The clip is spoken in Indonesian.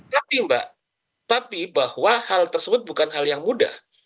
tapi mbak tapi bahwa hal tersebut bukan hal yang mudah